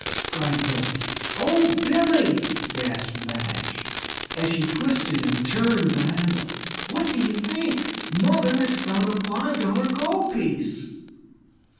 cried Billy. "Oh, Billy," gasped Madge, as she twisted and turned the handle, "what do you think? Mother has found a five dollar gold piece!"